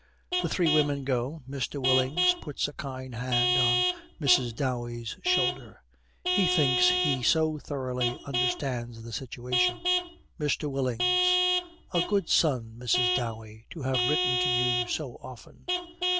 The three women go. Mr. Willings puts a kind hand on Mrs. Dowey's shoulder. He thinks he so thoroughly understands the situation. MR. WILLINGS. 'A good son, Mrs. Dowey, to have written to you so often.'